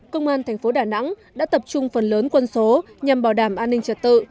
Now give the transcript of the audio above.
công an thành phố đà nẵng đã tập trung phần lớn quân số nhằm bảo đảm an ninh trật tự